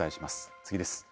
次です。